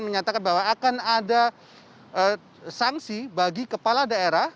menyatakan bahwa akan ada sanksi bagi kepala daerah